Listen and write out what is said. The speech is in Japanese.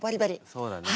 そうだね。